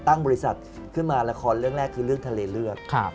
ตั้งบริษัทขึ้นมาละครเรื่องแรกคือเรื่องทะเลเลือด